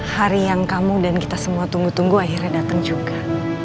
hari yang kamu dan kita semua tunggu tunggu akhirnya datang juga